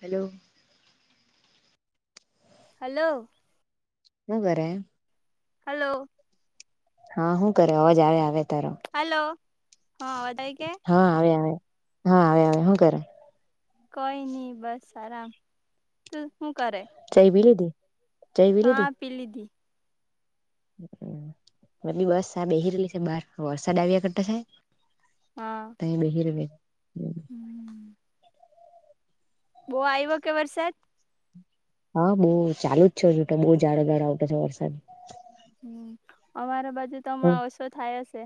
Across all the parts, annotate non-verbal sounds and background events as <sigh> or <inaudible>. Hello hello હું કરે hello હા શું કરે અવાજ આવે આવે તારો હલો હા અવાજ આવી કે હા આવે આવે હા આવે આવે શું કરે? કોઈ નની બસ આરામ તું શું કરે? જઈબી લીધે હા પીલદી મતી બસ આ બેહી રહેલી છે, બહાર વરસાદ આવ્યા કરતા સાહેબ તઈ બહિરેવા હમ્મ બો આવ્યો કે વરસાદ? હા, બહ ચાલુ જ છટ બહુ જાઝાડોગાર આવતા છ વરસાદ હમ્મ અમારા બાજુ તો હમણાં ઓછો થાય હશે,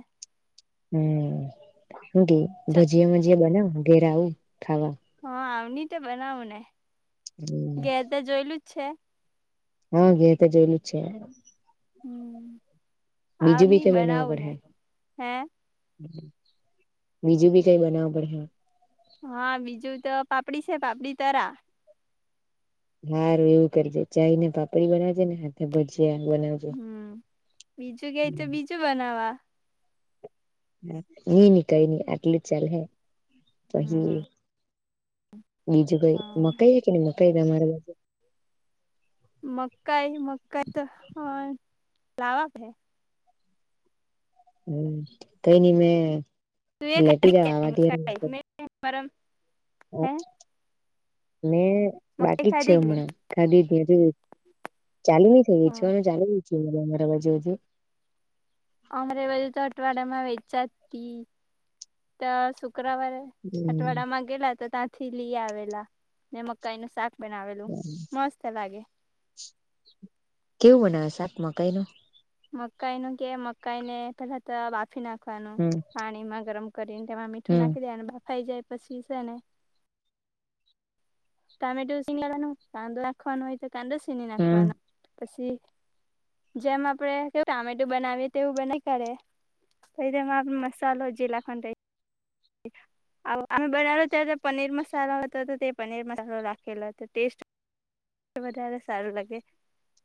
હમમ કે ભજીયા મજીયા બનાવ ઘેરા આવું ખાવા હા, આવની તો બનાવુંને ઘે તે જોયેલું જ છે. હા, ઘે તો જોયેલું જ છે. હમ બીજું બી આવની કઈ બનાવ બનાવું ને પડે. હે બીજું બી કઈ બનાવું પડે હ હા, બીજું તો પાપડી છે પાપડી તરા સારું એવું કરજે ચાય ને પાપડી બનાજે ને હાથે ભજી યા જે બનેવ છે. હમ બીજું કે તો બીજું બનાવા હ નઈ નની કઈ નઈ આટલ ચલે હ હમ પછી બીજું કઈ હા મકાઈ કે મકાઈ તમારે મકાઈ મકાઈ તો લાવા હે હમ કઈ નઈ મેં તું એ લેટી ખાધી જવા કે નઈ આવા મકાઈ ત્યારે મે મારા હમ હે મે મકાઈ બાકી જ છે ખાધી કે હમણાં નઈ ખાધી ત્યા ચાલુ થય ગ હા છે ચાલુ અમારા બાજુજુ અમારે બાજુ તો અઠવાડિયામાં તો શુક્રવારે હમ અટવાડા માં ગેલા તો તાં થી લી આવેલા ને મકાઈ નું શાક બનાવેલું મસ્ત લાગે કેવું બનાવે શાક મકાઈ નું મકાઈ નું કે મકાઈ ને પેલા તો બાફી નાખવાનું હમ પાણીમાં ગરમ કરીને તેમાં મીઠું હમ નાખી દેવાનું બફાઈ જાય પછી છે ને ટમેટો ચીને લવાનો કાંદો નાખવાનો હોય તો કાંદો છીણી હમ નાખવાનો પછી જેમ આપડે કે ટમેટું બનાવીએ તોવું બનાવી કરે પછી તેમાં મસાલો જે લાખવાનો તે અમે બનાવલો ત્યારે પનીર મસાલો હતો હતો તે પનીર મસાલો રાખેલો હતો ટેસ્ટ વધારે સારું લાગે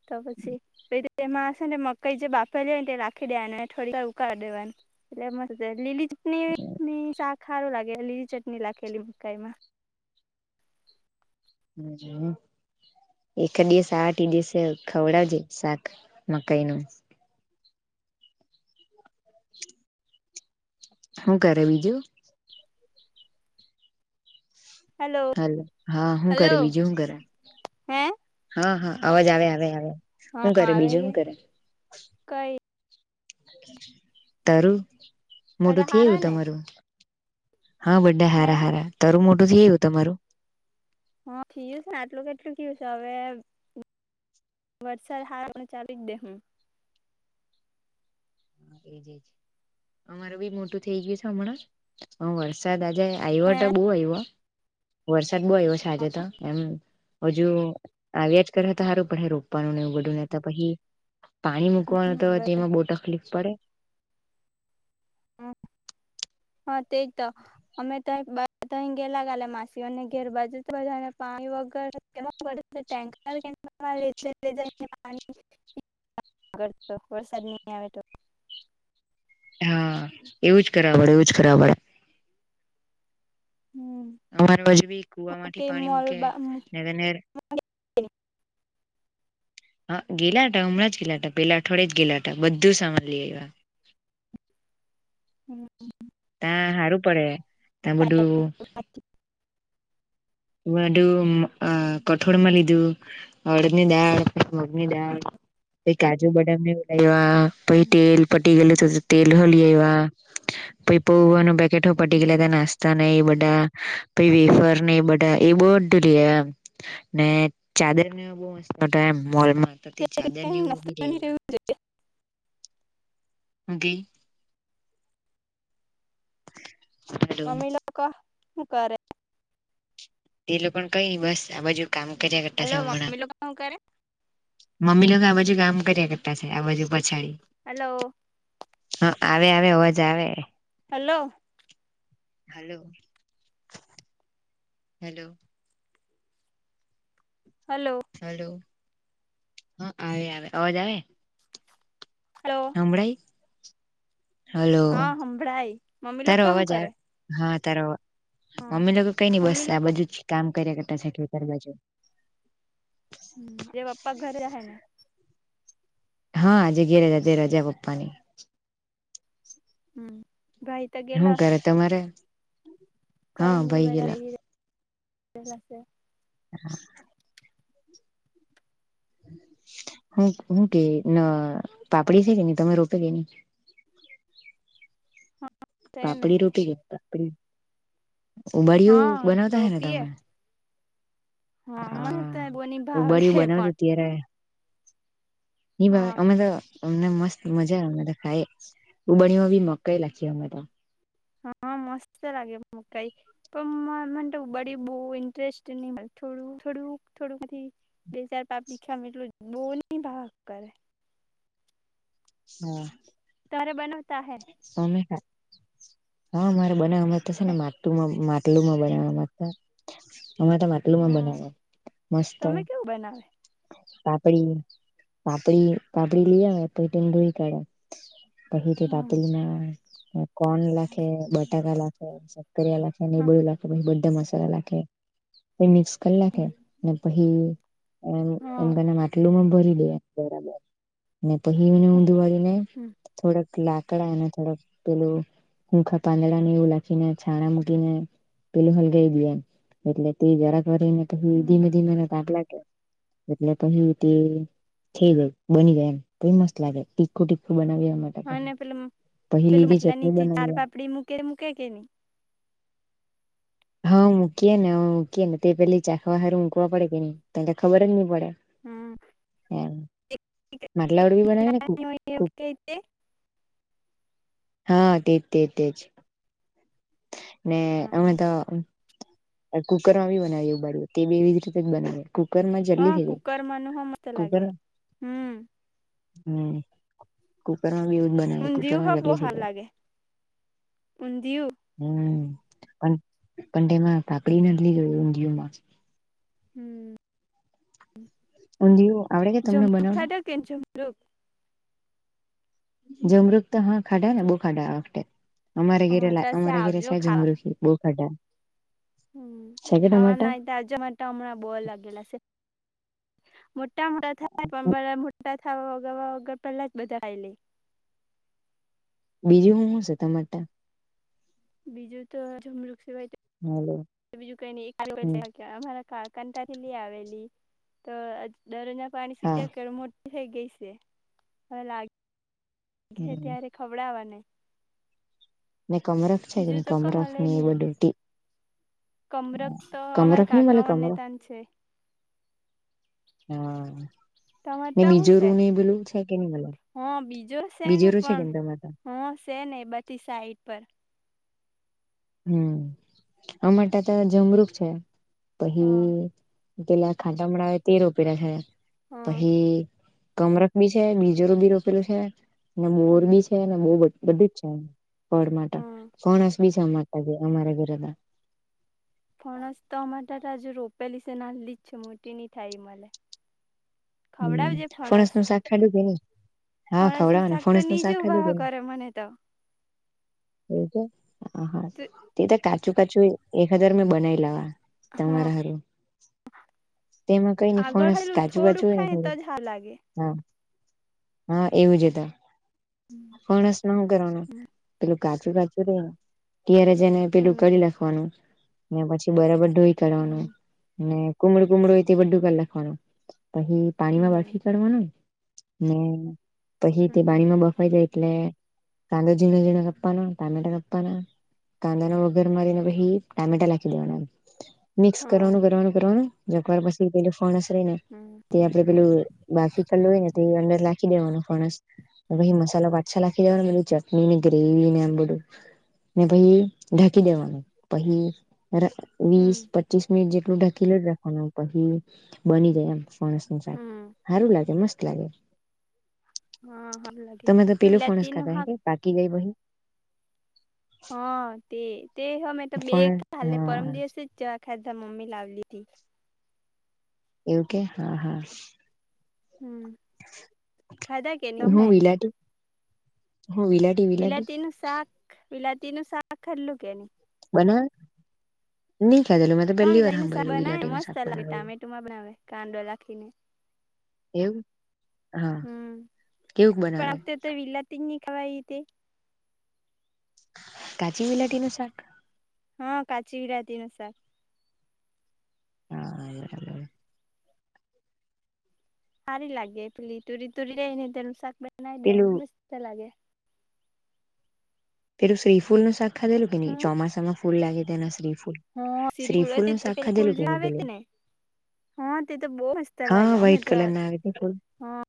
તો પછી તેમાં હશે ને મકઈ જે બાફેલી હોય ને એ રાખી દેવા થોડીકર ઉકાળી દેવાની એટલે લીલી હ ા ખારું લાગે લીલી ચટણી લાખેલી મકાઈ માં હમ જ એકાદ દિવસ આવા તે દિવસે ખવડાવજે શાક મકાઈ નું હું કરે બીજું હલો હ હા શું કરે હલો બીજું શું કરે હે હા હા અવાજ આવે આવે આવે હા હું કરે આવે બીજું કે હું કરે કઈ તારું બધા મોટું થ હારા એવું ને તમારું હા બધ્ધા હે હારા હારા તારું મોટું થયું તમારું હા થયું છે ને આટલું કેટલું કયું છે હવે વરસાદ હારનું ચાલુ જ દે હું એજ અમાર બી મોટું થઈ ગયું છે હમણાં વરસાદ આવ્યો હે તો બો આવ્યો વરસાદ બો આવ્યો છે આજે તો એમ હજુ આવ્યા જ કરે તો સારું પણ રોપવાનું નને એ બધું નેતા પછી પાણી મૂકવાનું હમ તોય બસ તેમાં બહુ તકલીફ પડે હા તેજ તો અમે ત ગેલાગાલે માસીઓને ઘેર બાજુ તો બધાને પા પાણી વગર ટેન્કર પાણી <inaudible> આગળ તો વરસાદ નહીં આવે તો હા એવું જ કરવા પડે એવું જ કરવા પડે અમારે બાજુ બી કે કુવામાંથી પાણી મોલ મૂકે હા ગેલા હતા હમણાં જ ગેલા હતા પેલા અઠવાડે ગેલા હતા બધું સામાન લઈ આવ્યા હમ તાં હારું પડે તાં બધું બું કઠોળ માં લીધું હળદની દાળ મગની દાળ પછ કાજુ બદામને ઉડાવ્યા પ તેલ પટી ગયેલ તો તેલ હલી એવા પહી પોવાના પેકેટ હો પટી ગેલા તા નાસ્તા ના એ બધા પહી વેફર ને બ એ બધુ લઈ એવા એમ ને ચાદરને બો મસ્ત મોલમાં તો તે ચાદરનીવ બી ર હું કેઇ હેલો મમ્મી લોકો હું કરે તે લોકો કઈ બસ આ બાજુ કામ કર્યા કરતા છે હલો હમણાં મમ્મી લોકો શું કરે મમ્મી લોકો આ બાજુ કામ કર્યા કરતા છે આ બાજુ હલો હા આવે આવે અવાજ આવે hello hello hello hello hello હા આવે આવે અવાજ આવે હલો હમડાાઈ હલો હા સંભળાય મમ્મી તારો લોકો શું અવાજ કરે આવે હા તાર હા મમ્મી લોકો કઈ નઈ બસ મમ્મી આ લોકો બધું જ કામ કર્યા કર તાર બાજુ હ બાપા ઘરે હ ને હા આજે ઘેરજા તે રજા પપ્પા ની હમ શું કરે તમારે હા ભાઈ ગયેલા જેલાશે હ હ હું કે ના પાપડી છે કે ન તમે રોપે કેહી <inaudible> તેને પાપડી રોટી કે પાપડી ઉબાડીિયો હા બનાવતા હે ને રોપીએ તમે મને તો હા બોની ઉ બરું ભાવે બનાવજો પણ ત્યારે એ ભ હા અ તો તમને મસ્ત મજા અમે તો ખાઈ ઉબણીમાં બી મકાઈ લખી અમે તો હા મસ્ત લાગે મ કઈ પણ મન તો બડી બ ઇન્ટરેસ્ટ થોડ થોડું થોડુંક બે ચાર પાપ દીખ્યા એટલું બહ ન ભાગ કરે હા તરે બન હમેા હા મારે બને અ તો છે ને માતું માું પટલુંમાં બનાવ માટેતા અમેરે તો માટલુંમાં બનાવ હમ મસ્ત તમે કેવું બનાવે પાપડી પાપડી પાપડી લે પછ ભોળ કાઢે પછી હમ પાપલીમાં કોર્ન લખે બટાકા લખે કર લખે હા ળ લખે પછ બધા મસાલા લખેછ મિક્સ કરી લખે પછી એમ હા એમને માટલુંમાં ભ દે બરાબ પછી મને ઊંધું વાળીને હમ થોડક લ પકડા અને થોડક પેલું હૂખા પાંદડા ને એવું લખીને છાણા મૂકીને પેલું હલગઈ ગયામ એટલે તે જરાકને હમ ધીમે ધીમેાટલા એટલે કહ્યું તે થઈ ગયું બની ગય એમ કોઈ મસ્ત લાગે તીખું તીખખું બનાવી એ માટે અને પેલું પહી પેલું લીલી મટલા ચટણી નીચે ચાર બનાવીએ પાપડી મૂકે મૂકે કે નહી હા મૂકીએે ને મૂકીએને તે પેલી ચાખવાારું મકવા પડે કે ન ત ખબર જ નહી પડે હમ હ મલેવડ બીણ હા તેજ તે તેજ ને અમે તો કુકર માં બી બનાવી ઉગાડ તે એવી જ રીતે જ બનાવીએ કુકરમાં જલ્દી હા થઈ ગઈ કુકર મનુ હો મસ્ત કુકર લાગે હમ હમ કુકર વું બનાવે ઊંધિયું હો બો કતરકલી હારું લાગે ઊંધિયું હમ પણ પણ તેમાં પાાકડી નથી લી ગ ઊંધિયયોમાં હમ <unintelligible> ઝમરૂક બનાવતા ખાધો કે ની ઝમરૂક? ઝામરૂક તો હા, ખાધાને બો ખાધા આ વખતે અમારા ઘરે, અમાર પાસે અમારા ઘેરે આવજો છે, જામરુખી બો ખાધા હમ્મ, છે કે ટમાટા ખાવાનાય હોઈ તો આવજો મારે ત્યાં હમણાં બો લાગેલા છે. મોટા મોટા થાય પણ બધા મોટા ખાવા વગાવા વગર, પેહલા જ બધા ખાઈ લે બીજું હું હું છે, તમારી ત્યાં? બીજું તો ઝમરૂક સિવાઈ હલો બીજું કઈની <unintelligible> હમ કાકાની ત્યાંથી લી આવેલી તો અહ દરરોજના પાણી હા સીપ્યા કરે મોટ ટી થઈ ગઈ સે. હવે લાગેહે ત્યારે ખવડાવાને ને કમરખ છે બીજું કેની, તો કઈ કમરખ મલે ની એ બધું ટી? કમરક તો, અમારા કાકાઓ ને કમરખ ત્યાં છે. હા, તમારે ને ત્યાં હું બીજો છે રૂ એ પેલું છે કે? નઈ મલે હા, બીજો છેે ને બીજેરું છે પણ કેમ તમારે તા હા, સે ને બાકી સાઈડ પર હમ્મ, અમારી ત્યાંતો જમરુક છે, હા પછી પેલા ખટામડા અવે તે રોપેલા છે, હા પછી કમરક બી છે, બીજરું બી રોપેલું છે અને બોર હમ બી છે, ને બો બધું, બધુંજ છે. ફળ માતો. હમ ફણસ ભી છે અમારે ત્યાં તો, અમારે ઘરે તો ફણસ તો અમરે ત્યાં તો હજુ રોપેલી છે, નાલીજ છે, મોટી ની થાય મલે ફણસ નું શાક, ખાધું કે ની? હા, ફણસ નું ખવડાવાને. શાક તો ફણસ નું નીજે શાક ખાધું કે ઉભા ની? કરે મને તો એવું કે આ હા, તે તો કાચું કાચું એક હજાર મેં બનાઈ લાવા. તમારા હરું, તેમાં કઈની આગળ ફણસ હેલું કાજુબજુ થોડુંક ખાય ને તો જ હારું લાગે <unintelligible> હા એવુંજ એતો હમ ફણસમાં હું કરવાનું પેલું કાચું કાચું રે ને ત્યારે જેને પેલું કરી લખવાનું ને પછી બરાબર ધઢોઈ કાઢવાનું હમ ને કુમડું કુમડુ તે બધું કાલાખવાનું, પછી પાણીમાં હમ બાફી કાઢવાનું ને પછી હમ તે પાણીમાં બફાઈ જાય એટલે કાંદા ઝીણા ઝીણા કાપવાના, ટમેટો કાપવાના કાંદાના વઘાર મારીને ભાઈ પહિ ટામેટા લાખી દેવાના. મિક્સ હા કરવાનું કરવાનું કરવાનું જરાખવાર પછી પેું ફણસ રહીને હમ તે આપડે પેલું બાફી કરલું હોય ને તે અંદર લાખી દેવાનું, ફણસ. પછી મસાલા <unintelligible> લાખી દેવાના, ને બધું ચટણી ને ગ્રેવી ને એમ બધું ને પહી ઢાકી દેવાનું પહી ને વીસ હમ પચીસ મિનિટ જેટલું ઢકીને જ રાખવાનું, પછી બની જાય, એમ. ફણસ નું શાક. હમ હારું લાગે, મસ્ત લાગે. હા હારું લાગે તોમે તો પેલું ફણસ વિલાતી નું ખાતા હાક અહે કે પાકી ગઈ પહી હા, તે તે હમે તો બે, હા, પરમ દિવસે જ ખાધા મમ્મી લાવેલી તે એવું કે હા, હા. હમ્મ, ખાધા કે તમે? હું વિલાટી હું વિલાટી વિલાટી વિલાતી નું શાક, વિલાતી નું શાક ખાધેલું કે ની? બનાએ ની હા, વિલાઈ નું બનાવે મસ્ત લાગે. બનાવેલું ટામેટોમાં બનાવે, કાંદો લીખીને એવું હા હમ્મ કેવુંક પણ બનાવે આ વખતે તો વિલાતીની વાઈ હતી. કાચી વિલાટીનું શાક હા, કાચી વિલાટીનું શાક. હા. સારી લાગે પેલી તુરી તુરી રહી ને તેનું શાક બનાવી દે પેલું મસ્ત લાગે. પેરું સીફૂલ નું શાખા દેલું કે ન હમ ચોમાસામાં ફૂલ લાગે તેના શ્રીફૂ હા સીરી સ્ત્રી ફૂલ નું શાખ પેલા ફૂલ ખાધેલું જે કેની આવે પેલે તે ને હા તે તો બહુ મસ્ત હા લાગે અમે વ્હાઈટ તો કલર ના આવે બકુલ હા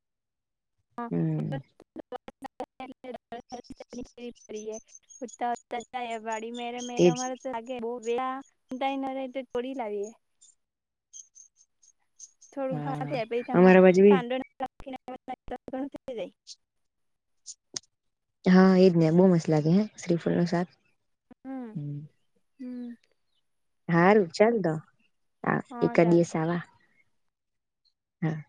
<unintelligible> ઉતા ઉતાડી મેરે મેરેરે તેજ લાગે બહુ વેડા વટાય ન ર તો તોડી લાવીએ થોડું હા ઘણા થ પમાં અમારા બાજુ બી કો <inaudible> જાય હા એજ ને બહુ મસ્ત લાગે હ શ્રીફૂલ નું શાક હમ હમ હારું ચાલ દો હ હા એક ચાલ દિવ સવા હા